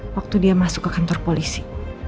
waktu dia masuk ke kantor polisi